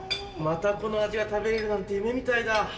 またこの味が食べれるなんて夢みたいだ！